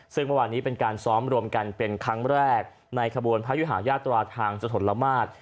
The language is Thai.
ซึ่งเมื่อวานนี้เป็นการซ้อมรวมกันเป็นครั้งแรกในขบวนพระยุหายาตราทางสถลมาตร